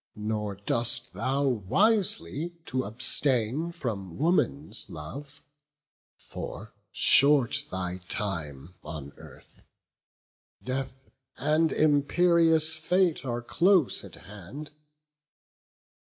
nor dost thou wisely, to abstain From woman's love; for short thy time on earth: Death and imperious fate are close at hand.